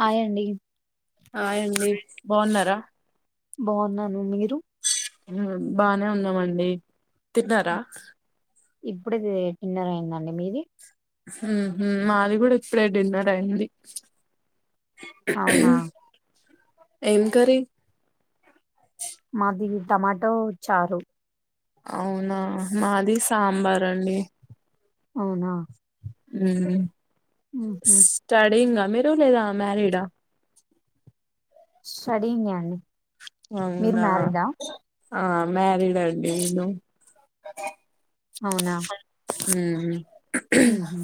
Hi అండి hi అండి బావున్నారా బావున్నాను మీరు బానే ఉన్నామండి తిన్నారా ఇప్పుడే ది డిన్నర్ అయిందండి మీది ఉహ్మ్ మాది కూడా ఇప్పుడే డిన్నర్ అయింది. అవునా ఊమ్ ఏం కర్రీ మాది టమాటో చారు అవునా మాది సాంబార్ అండి. అవ్నా ఉమ్ ఊహూ స్టడింగ మీ రూమ్ లేద మ్యారీడ్ ఆ షడింగ్ ఆండి అవునా ఆ మ్యారిడ్ అండి ను అవునా హ్మ్ ఉహ్మ్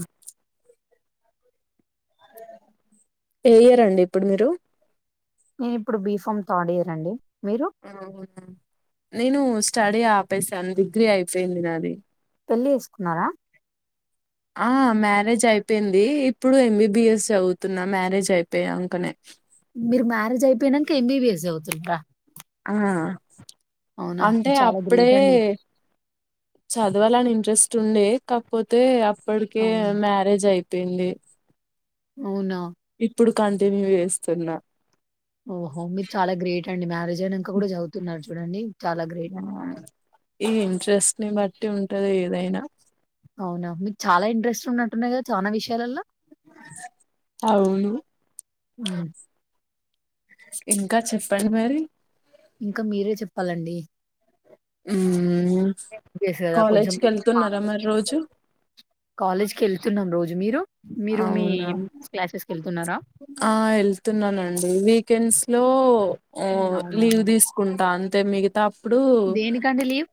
ఏ ఇయర్ అండి ఇప్పుడు మీరు నేన్ ఇప్పుడు బిఫామ్ థర్డ్ ఇయర్ అండి. మీరు నేను స్టడీ ఆపేశాను డిగ్రీ అయిపోయింది నాది. పెళ్ళి ఏస్కున్నారా ఆ మ్యారేజ్ అయిపోయింది. ఇప్పుడు ఎంబిబిఎస్ చదువుతున్నా. మ్యారేజ్ అయిపోయియాంకనే మీరు మ్యారేజ్ అయిపోయినంకా ఎంబిబిఎస్ చదువుతున్రా ఆ అంటే చాలా అప్పుడే గ్రేట్ అండి చదవాలని ఇంట్రెస్ట్ ఉండే కాక్పోతే అప్పట్కే అవును మ్యారేజ్ అయి పెళ్లి అవునా ఇప్పుడు కంటిన్యూ చేస్తున్నా ఓహో మీర్ చాలా గ్రేట్ అండి. మ్యారేజ్ అయినంకా కూడా చదువుతున్నారు చూడండి చాలా గ్రేట్ ఈ ఇంట్రెస్ట్ ని బట్టి ఉంటది ఏదైనా అవునా మీక్ చాలా ఇంట్రెస్ట్ ఉన్నట్టున్నాయి కదా. చానా విషయాలలో అవును మ్మ్. ఇంకా చెప్పండ్ మరి ఇంకా మీరే చెప్పాలండి ఊమ్ డేస్ కదా కాలేజ్కేళ్తున్నారా మరి రోజు కాలేజ్ కీ ఏళ్తున్నాం రోజ్ మీరు మీ అవునా ఏం క్లాసెస్కి ఏళ్తున్నారా ఆ ఏళ్తున్నానండి. వీకెండ్స్ లో ఒ అవునా లీవ్ తీసుకుంటా అన్ తే మిగిత దేనికండి లీవ్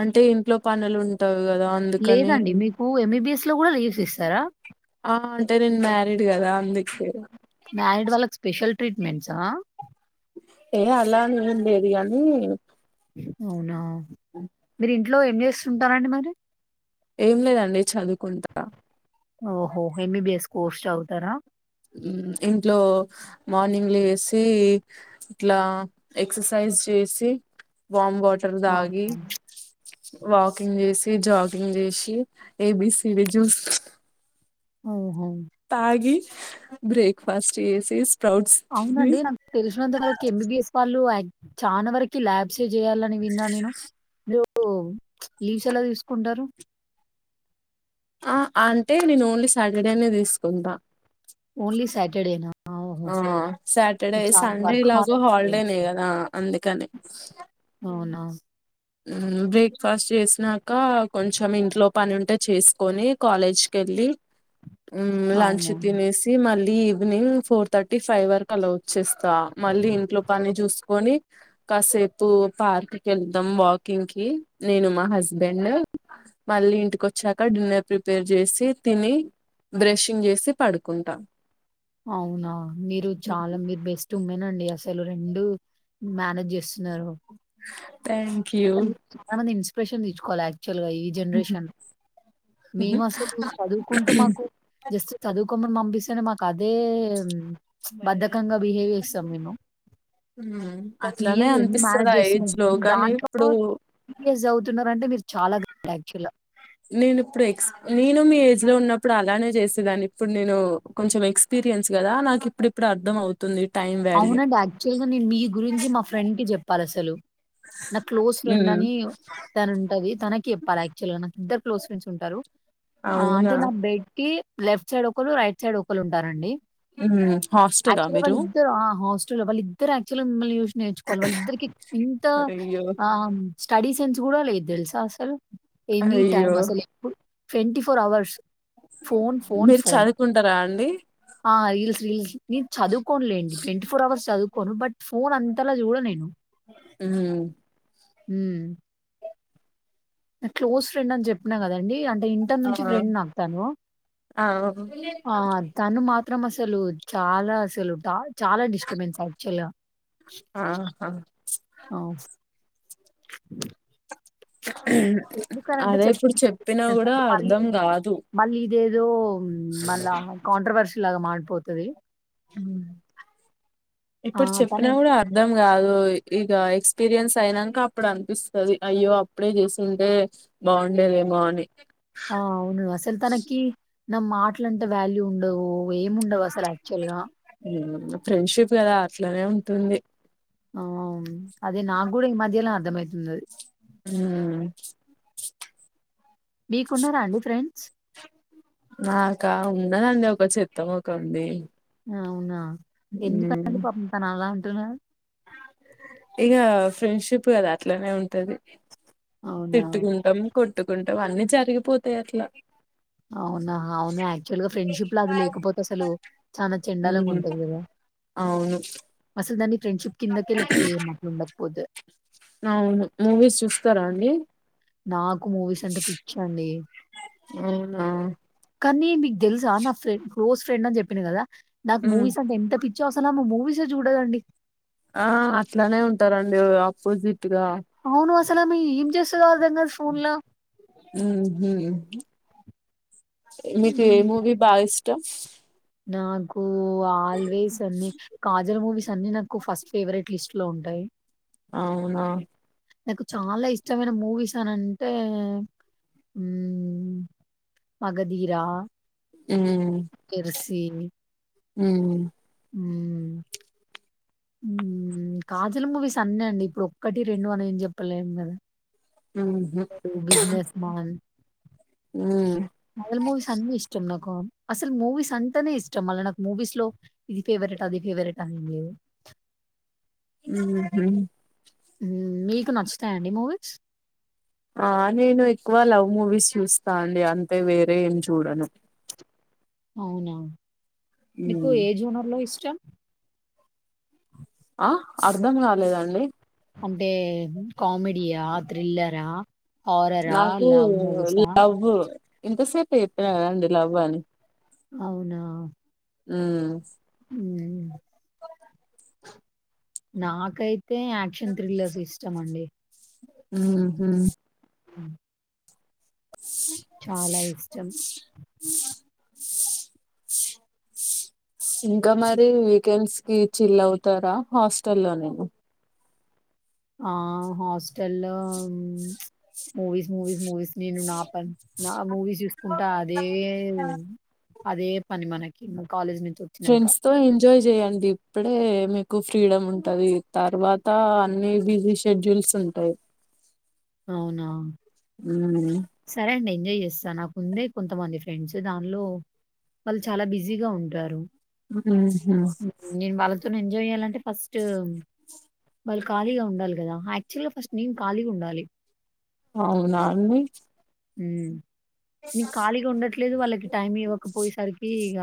అంటే ఇంట్లో పనులు ఉంటవ్ కదా అందుకని లేదండి మీకు ఎంబీబిఎస్ లో కూడా లీవ్స్ ఇస్తారా ఆ అంటే నేన్ మ్యా లేటుకాదా అందుకే మ్యారీడ్ వాళ్ళకి స్పెషల్ ట్రీట్మెంట్సా ఆ ఏ ఆలాన్ ఏం లేద్ గాని అవునా మీరు ఇంట్లో ఏం చేస్తుంటారండి మరి ఏం లేదండి చదువుకుంటా ఓహో ఎంబీబిఎస్ కోర్స్ చవుతారా ఇంట్లో మార్నింగ్ లేసి ఇట్లా ఎక్ససైజ్ చేసి వామ్ వాటర్ అవును. తాగి వాకింగ్ చేసి జాగింగ్ జేషి ఏబిసీడి జ్యూస్ ఔ తాగి బ్రేక్ఫాస్ట్ చేసి స్ప్రౌట్స్ తిని అవునండి నాక్ తెలిసినంతవరకు ఎంబిబిఎస్ వళ్ళు అక్ చానా వరకి ల్యాబ్సే చేయ్యాలని విన్నా నేను [unintelligible] ఇవ్స్ ఎలా తీసుకుంటారు ఆ అంటే నేను ఓన్లీ సాటర్డే నే తీసుకుంట ఓన్లీ సటర్డేనా ఆ సాటర్డే సండే ఎలాగో హారస్ అండి హాలిడనే గద అందుకని అవునా మ్ బ్రేక్ఫాస్ట్ చేసినాక కొంచెం ఇంట్లో పని ఉంటే చేసుకొని కాలేజ్కిలి లి మ్ లంచ్ అవును తినేసి మళ్ ఇ ఈవనింగ్ ఫోర్ థర్టీ ఫైవ్ వరకు అలా వచ్చేస్తా మళ్ళీ ఇంట్లో పని చూసుకొని కాసేపు పార్కకెళ్తామ్ వాకింగ్ కి నేను మా హస్బెండ మళ్ళీ ఇంటిక ఒచ్చాక డ్యూయర్ ప్రిపేర్ చేసి తిని బ్రషింగ్ చేసి పడుకుంట అవునా మీరు చాలా మీరు బెస్ట్ ఉమెన్ అండి అసలు రెండు మేనేజ్ చేస్తు న్నారు థ్యాంక్ యూ చానా మంది ఇన్స్పిరేషన్ తెచ్చుకోవాల్ చలుగా ఈ జనరేషన్ మేమ్ అసలు చదువుకుంటూ మాకు జస్ట్ చదువుకోమ్మని పంపిస్తేనే మాకు అదే బద్ద బిహేవ్ చేస్తాం మేము అట్లానే మీరు రెండు అనిపిస్తది మేనేజ్ ఆ చేస్తు ఏజ్ లో కానీ దాంట్లో ఏం ఇప్పుడు బి బి స్ మీరు చాలా గ్రేట్ యాక్చువల్ గా నేను ఇప్పుడు ఎక్స్ నేను మీ ఏజ్ లో ఉన్నప్పుడు అలానే చేసేదాన్ని ఇప్పుడు నేను కొంచెం ఎక్స్పీ ఎపీరియన్స్ కదా నాకు ఇప్పుడు ఇప్పుడు అర్ధం అవుతుంది టైం వాల్యూ అవునండి యాక్చువల్ గా నేన్ మీ గురించి మా ఫ్రెండ్ కి జేప్పాలి అసలు నా క్లోజ్ ఫ్రెండ్ ఉమ్. అని తను ఉంటది తనకి చెప్పాలి యాక్చువల్గా నాకు ఇద్దర్ క్లోజ్ ఫ్రెండ్స్ ఉంటారు ఆ అవునా అంటే నా బెడ్ కి లెఫ్ట్ సైడ్ ఒకోలు రైట్ సైడ్ ఒకోలు ఉంటారండి మ్ హాస్టలా మీరు ఆ హాస్టల్ లె వాళ్ళిద్దరు యాక్చువల్గా మిమల్ని చూసి నేర్చుకోవాలి వాళ్ళిద్దరికి ఇంత అయ్యో ఆ స్టడీ సెన్స్ కూడా లేదు తెలుసా అసలు ఎనీ అయ్యో టైమ్ అసలు ఎప్పుడు twenty four hours phone phone మీరు ఫోన్ చదువుకుంటారా అండి ఆ ఇల్స్ రీల్స్ నేన్ చదుకొన్లెండి ట్వంటీ ఫోర్ అవర్స్ చదువుకోను. బట్ ఫోన్ అంతలా చూడ నేను మ్ మ్ నా క్లోజ్ ఫ్రెండ్ అని జెప్పిన గదండి అండి ఇంటర్ ఆ నుంచి ఫ్రెండ్ నాక్ తను ఆ ఆ తను మా త్రం అసలు చాలా అసలు డ చాలా డిస్టర్బెన్స్ యాక్చువల్గా ఆహా ఆహ్, ఉఉమ్ ఎందుకనంటే అదే చెప్ ఇప్పుడు చెప్పినా గుడా అంటే మళ్ళీ, అర్ధం గాదు. మళ్ళీ ఇదేదో మళ్ళా కాంట్రవర్షిల్ లాగా మారిపోతది. ఆ! ఇప్పుడు చెప్పినా తనే గుడా అర్ధం గాదు ఇగ ఎక్స్ క్స్పీరియన్స్ అయినంక అప్పుడు అనిపిస్తది. అయ్యో అప్పుడే చేసింటే బాగుండేదేమో అని ఆ అవును అసలు తనకి న మాటలంటే వాల్యూ ఉండవు. ఏముండవు అసలు యాక్చువల్ గా ఫ్రెండ్షిప్ కదా అట్లనే ఉంటుంది. ఆ ఆమ్ అది నాగూడ ఈ మాధ్యాల్నే అర్థమయతుంది అది మ్మ్ మీకు ఉన్నారా అండి ఫ్రెండ్స్? నాకా ఉన్నదండి ఒక చెత్తం మొకంది అవునా ఎందుకు అండి పపం తాన అలా అంటున్నారు. ఇగ ఫ్రెండ్షిప్ కదా అట్లనే ఉంటది. అవునా? తిట్టుకుంటం కొట్టుకుంటం అన్నీ జరిగిపోతాయి అట్లా అవునా అవునా యాక్చువల్ గా ఫ్రెండ్షిప్ లో అది లేకపోతే అసలు చాన చెండాలంగా ఉంటది గదా. అవ్ అసల్ దాన్ని ఫ్రెండ్షిప్ కిందకె లెక్కేయ్యం మట్లు ఉండక్ పోదె నవును మూవీస్ చూస్తారా అండి? నాకు మూవీస్ అంటే పిచ్చ అండి. ఆ కానీ మీగ్ దెలుసా నా ఫ్రెండ్ క్లోజ్ ఫ్రెండ్ అని చెప్పిన గదా నాకు మ్మ్ మూవీస్ అంటే ఎంత పి చ్చో అసల్ ఆమె మూవీస్ ఎ చూడదు అండి. ఆ అట్లనే ఉంటార్ అండి అపోజిట్గా కాని ఆమె ఎం చేస్తదో అర్థం గాదు ఫోన్ ల మ్మ్ హ్మ్ మీకు ఏ మూవీ బాగా ఇష్టం? నాకు ఆల్వేస్ అన్నీ కాజల్ మూవీస్ అన్నీ నాకు ఫస్ట్ ఫేవరెట్ లిస్ట్ లో ఉంటాయి. అవునా నాకు చాలా ఇష్టమైన మూవీస్ అని అంటే ఉమ్ మగధీరా ఉమ్ ఏమీ ఉమ్ మ్ మ్ కాజల మూవీస్ అన్ని అండి ఇప్పుడు ఒక్కటి రెండు అని ఏం జెప్పలేము గదా మ్మ్ హ్మ్ మ్మ్ బిజినెస్ మన్ మ్మ్ కాజల్ మూవీస్ అన్నీ ఇష్టం నాక్ క అసలు మూవీస్ అంతనే ఇష్టం మళ్ళ నాకు మూవీస్ లో ఇది ఫేవరెట్, అది ఫేవరెట్ అని లేదు. ఉ హు మ్ మీకు నచ్చుతాయ అండి మూవీస్? ఆ నేను ఎక్కువ లవ్ మూవీస్ చూస్తా అండి అంతే వేరే ఏం చూడను. అవునా మీకు హ్మ్. ఏ జోనర్ లో ఇష్టం ఆ అర్థం గాలేదండి అంటే కామెడీయా థ్రిల్లరా హారరా? నాకు లవ్ మూవీసా? లవ్వు ఇంతసేపె చెప్పిన గద అండి లవ్ అని అవునా ఉమ్ హ్మ్. నాకైతే యాక్షన్ థ్రిల్లర్స్ ఇష్టం అండి. ఉహు ఉ చాలా ఇష్టం. ఇంకా మరి వీకెండ్స్ కి చిల్ అవుతారా హాస్టల్లో నేన ఆ హాస్టల్లో ప్చ్ మూవీస్ మూవీస్ మూవీస్ నేను నా పన్ నా మూవీస్ చూసుకుంటా అదే అదే పని మనకి ఇంక కాలేజ్ ని ఫ్రెండ్స్తో ఎంజాయ్ జేయండి ఇప్పుడే మీకు ఫ్రీడమ్ ఉంటది తర్వాత అన్ని బిజీ షెడ్యూల్స్ ఉ ఉంటయి అవునా ఊ సరే అండి. ఎంజాయ్ చేస్తా నాకు ఉందే కొంతమంది ఫ్రెండ్స్ దానిలో వాళ్ళు చాలా బిజీగా ఉంటారు ఉ ఊహు కని ఎంజాయ్ చేయ్యాలంటే ఫస్టు వాళ్ ఖాళీగా ఉండాలి కదా యాక్చుల్ గా ఫస్ట్ నేన్ ఖాళీగా ఉండాలి అవునా అండి ఊ నేన్ ఖాళీగా ఉండట్లేదు వాళ్ళకి టైం ఇవ్వకపోయేసరికి ఇగ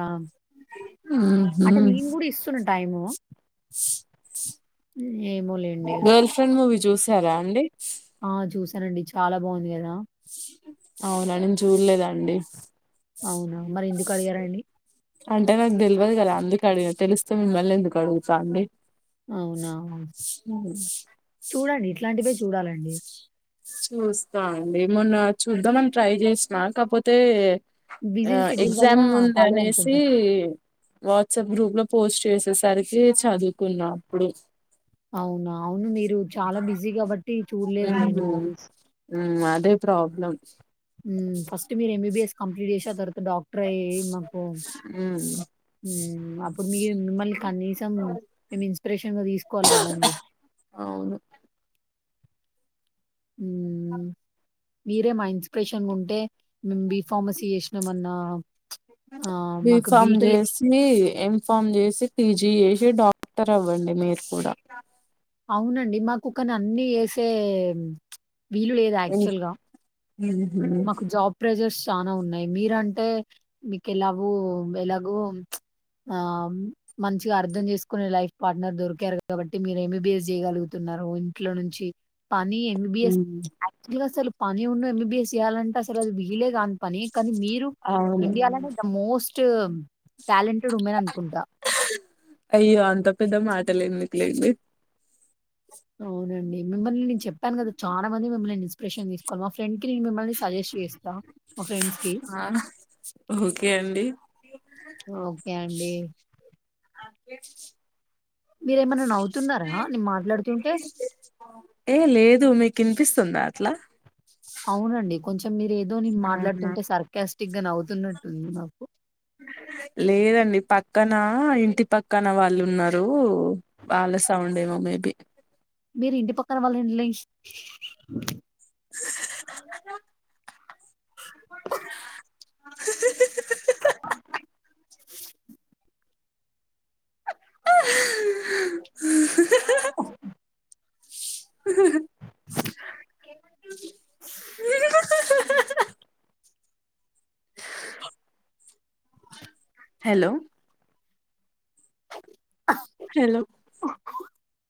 అంటే ఉహు నేన్ కూడా ఇసునా టైము ఊ ఏమోలేండి ఇగ గర్ల్ ఫ్రెండ్ మూవీ చూసారా అండి ఆ చూసానండి చాలా బాగుంది కదా అవున నేన్ చూలేదండి అవునా మరి ఎందుకు అడిగారండి అంటే నాకు తెల్వదు కదా అందుకే అడిగా తెలుస్తే మిమ్మల్ని ఎందుకు అడుగుతా అండి అవునా చూడండి ఇట్లాంటివే చూడాలండి చూస్తా అండి మొన్న చూద్దాం అన్ ట్రై చేసిన కాకపోతే ఆ బిజీ షెడ్యూల్ వల్ల ఎగ్జామ్ ఉందనేసి కాలేదనుకుంటా. వాట్సాప్ గ్రూప్ ల పోస్ట్ చేసేసరికి చదువుకున్న అప్పుడు అవునా అవును మీరు చాలా బిజీ కాబట్టి చూడ్లేరులేండి మూవీస్ హ్మ్ అదే ప్రాబ్లం హ్మ్ ఫస్ట్ మీర్ ఎంబీబీఎస్ కంప్లీట్ చేసి ఆ తర్ డాక్టర్ అయి మాకు మ్మ్ హ్మ్ అప్పుడు మీర్ మిమల్ని కనీసం మేము ఇన్స్పిరేషన్గా తీసుకోవాలి కదాండి అవును ఊ మీరే మా ఇన్స్పిరేషన్గ ఉంటే మేం బి ఫార్మసీ చేసినామన్నా బి ఫామ్ చేసి ఎం ఫామ్ చేసి పీజీ చేసి డాక్టర్ అవ్వండి మీరు కూడా అవునండి మాకు కానీ అన్ని ఏసే ప్చ్ వీలు లేదు యాక్చుల్ గా మ్మ్ మాకు జాబ్ ప్రెజర్స్ తనా ఉన్నాయి మీరంటే మిక్ ఎలాగూ ఎలాగో ఆ మంచిగా అర్థం చేసుకునే లైఫ్ పార్ట్నర్ దొరికారు కాబట్టి మీర్ ఎం బి బిస్ చేయగలుగుతున్నారు నరు ఇంట్లో నుంచి పని ఎంబీబిఎస్ ఉమ్, యాక్చుహల్ అసలు పని ఉన్న ఎంబీబిఎస్ చెయాలంటే అసలు అది వీలే కాదు పనే కానీ మీరు అవును ఇండియాలోనే దామోస్ట్ టాలెంట్ అయ్యో అంత పెద్ద మాటల్ ఎందుకులేండి అవునండి మిమ్మల్ని నేను చెప్పాను కదా చాల మంది మిమ్మల్ని ఇన్స్పిరేషన్ తీసుకోవాల మా ఫ్రెండ్ కి నేను మిమ్మల్ని సజెస్ట్ చేస్తా మా ఫ్రెండ్స్ కి ఆ ఓకే అండి ఓకే అండి ఆనికేం మీరేమన్నా నవ్వుతున్నారా? నేను మాట్లాడుతుంటే, ఏ లేద్ దు మీకు ఇనిపిస్తుందా అట్ల అవునండి కొంచెం మీరు ఏదో నేను అవునా మాట్లాడుతుంటే సర్కాస్టిక్ గా నవ్వుతున్నట్టుంది నాకు నీ పక్కన ఇంటి పక్కన వాళ్ళు ఉన్నారు వాళ్ళ సౌండేమో మేబి మీరు ఇంటి పక్కన వాళ్ళ ఇం హాలో హాలో